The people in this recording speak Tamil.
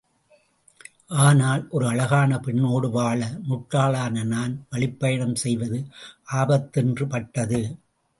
ஆனால், ஓர் அழகான பெண்ணோடு முழு முட்டாளான நான் வழிப் பயணம் செய்வது ஆபத்தென்று பட்டது.